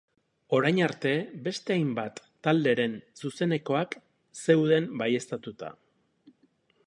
Orain arte beste hainbat talderen zuzenekoak zeuden baieztatuta.